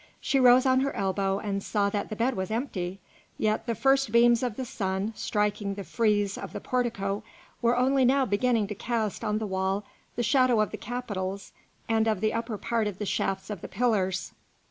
She rose on her elbow and saw that the bed was empty; yet the first beams of the sun, striking the frieze of the portico, were only now beginning to cast on the wall the shadow of the capitals and of the upper part of the shafts of the pillars.